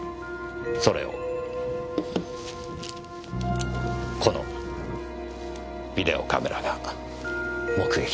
それをこのビデオカメラが目撃していたのです。